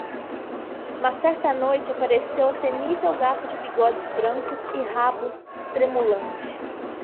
Mas certa noite apareceu a temível gata de bigodes brancos e rabo tremulante